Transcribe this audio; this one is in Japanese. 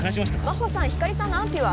真帆さん光莉さんの安否は？